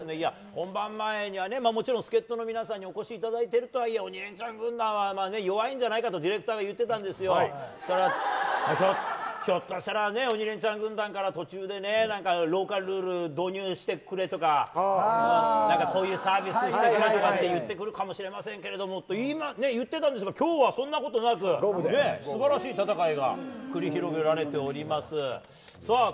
本番前にはもちろん助っ人の皆さんにお越しいただいているとはいえ「鬼レンチャン」軍団はそしたらひょっとしたら「鬼レンチャン」軍団から途中で、ローカルルールを導入してくれとかこういうサービスしてくれとかって言ってくるかもしれませんけれどもと言ってたんですが今日はそんなことなく素晴らしい戦いが繰り広げられております。